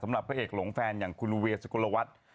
สำหรับผู้เอกหลงแฟนอย่างคุณเวียสุโกรวัตร